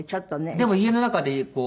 でも家の中でこう。